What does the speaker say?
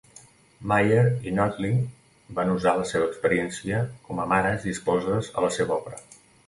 Mayer i Notley van usar la seva experiència com a mares i esposes a la seva obra.